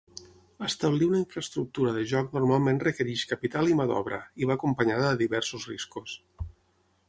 Establir una infraestructura de joc normalment requereix capital i mà d'obra, i va acompanyada de diversos riscos.